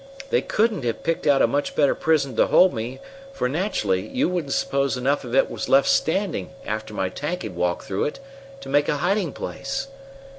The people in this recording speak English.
They couldn't have picked out a much better prison to hold me, for, naturally, you wouldn't suppose enough of it was left standing, after my tank had walked through it, to make a hiding place.